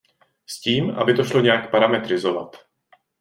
S tím, aby to šlo nějak parametrizovat.